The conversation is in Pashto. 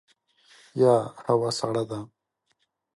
یه هوا سړه ده !